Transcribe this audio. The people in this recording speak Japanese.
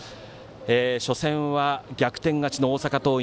初戦は逆転勝ちの大阪桐蔭。